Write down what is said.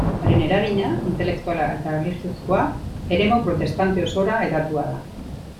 Haren eragina, intelektuala eta erlijiozkoa, eremu protestante osora hedatua da.